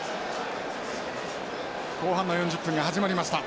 後半の４０分が始まりました。